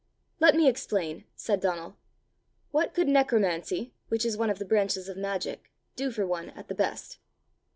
"Let me explain!" said Donal: "what could necromancy, which is one of the branches of magic, do for one at the best?"